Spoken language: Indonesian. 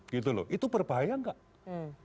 gitu loh itu berbahaya nggak